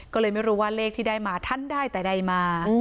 ก็เลยไม่รู้ว่าเลขที่ได้มาท่านได้แต่ใดมา